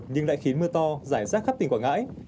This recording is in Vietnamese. nhưng lại khiến mưa to giải rác khắp tỉnh quảng ngãi